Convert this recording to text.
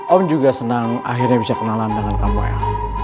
om juga senang akhirnya bisa kenalan dengan kamu el